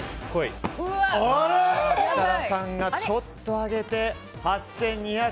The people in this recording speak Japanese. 設楽さんがちょっと上げて８２００円。